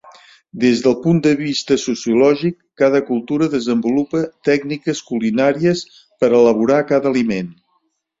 Des del punt de vista sociològic, cada cultura desenvolupa tècniques culinàries per elaborar cada aliment.